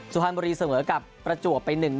สุพรรณบุรีเสมอกับประจวบไป๑